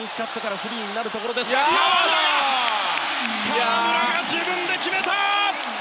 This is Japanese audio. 河村、自分で決めた！